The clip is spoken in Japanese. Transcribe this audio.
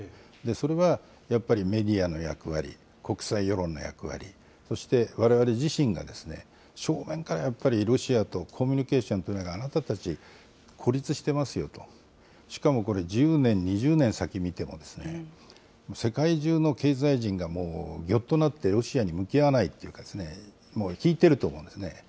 それはやっぱりメディアの役割、国際世論の役割、そしてわれわれ自身が正面からやっぱり、ロシアとコミュニケーションっていうか、あなたたち、孤立してますよと、しかもこれ、１０年、２０年先見ても、世界中の経済人がもうぎょっとなってロシアに向き合わないというか、もう引いてると思うんですね。